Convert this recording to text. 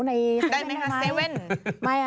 ได้ไหมคะ๗๑๑